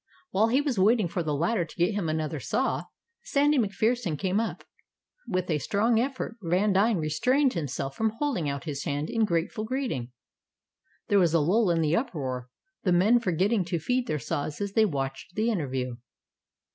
While he was waiting for the latter to get him another saw, Sandy MacPherson came up. With a strong effort Vandine restrained himself from holding out his hand in grateful greeting. There was a lull in the uproar, the men forgetting to feed their saws as they watched the interview.